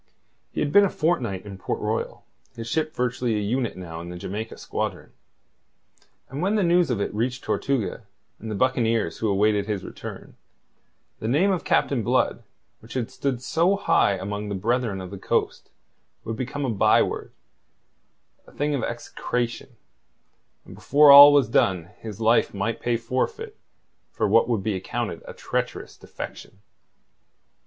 He had been a fortnight in Port Royal, his ship virtually a unit now in the Jamaica squadron. And when the news of it reached Tortuga and the buccaneers who awaited his return, the name of Captain Blood, which had stood so high among the Brethren of the Coast, would become a byword, a thing of execration, and before all was done his life might pay forfeit for what would be accounted a treacherous defection.